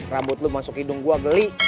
rambut lu masuk hidung gua geli